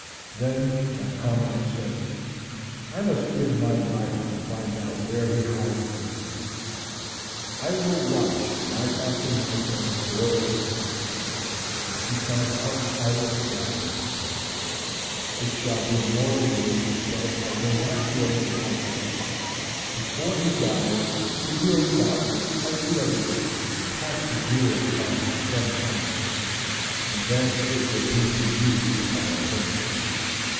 "There my comrade said, 'I must give my life to find out where he hides these things. I will watch night after night by the door of his tent, and if he comes out I will stab him; it shall be a mortal wound, but I will not kill him outright. Before he dies he will doubtless, as the other did, pass the jewels on to some comrade, and then it will be for you to follow him up.'